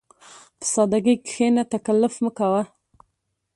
په سادهګۍ کښېنه، تکلف مه کوه.